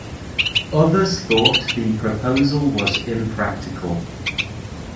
Others thought the proposal was impractical.